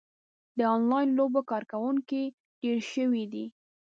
د انلاین لوبو کاروونکي ډېر شوي دي.